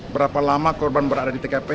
berapa lama korban berada di tkp